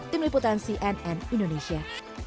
tim liputan cnn indonesia